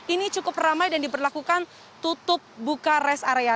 ini cukup ramai dan diberlakukan tutup buka rest area